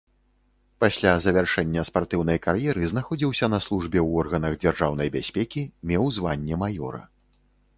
Пасля завяршэння спартыўнай кар'еры знаходзіўся на службе ў органах дзяржаўнай бяспекі, меў званне маёра.